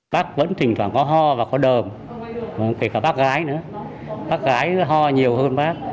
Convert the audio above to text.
bác vẫn thỉnh thoảng có ho và có đờm kể cả bác gái nữa bác gái ho nhiều hơn bác